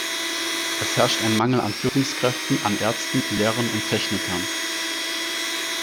Es herrscht ein Mangel an Führungskräften, an Ärzten, Lehrern und Technikern.